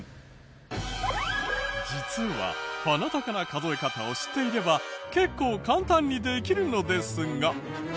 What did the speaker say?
実はハナタカな数え方を知っていれば結構簡単にできるのですが。